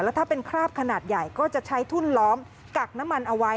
ถ้าเป็นคราบขนาดใหญ่ก็จะใช้ทุ่นล้อมกักน้ำมันเอาไว้